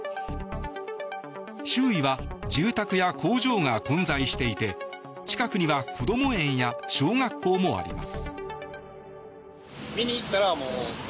周囲は住宅や工場が混在していて近くにはこども園や小学校もあります。